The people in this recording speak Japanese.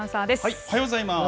おはようございます。